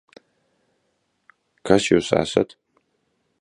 Kas Jūs esat?